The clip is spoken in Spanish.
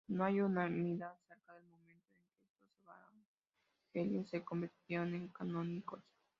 No hay unanimidad acerca del momento en que estos evangelios se convirtieron en canónicos.